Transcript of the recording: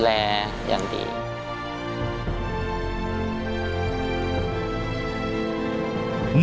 นอกจากนักเตะรุ่นใหม่จะเข้ามาเป็นตัวขับเคลื่อนทีมชาติไทยชุดนี้แล้ว